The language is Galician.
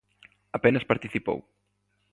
Apenas participou.